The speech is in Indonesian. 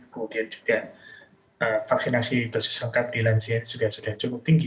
kemudian juga vaksinasi dosis lengkap di lansia juga sudah cukup tinggi